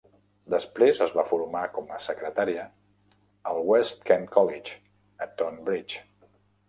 Després es va formar com a secretària al West Kent College, a Tonbridge.